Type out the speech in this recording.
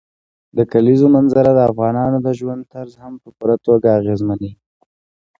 د کلیزو منظره د افغانانو د ژوند طرز هم په پوره توګه اغېزمنوي.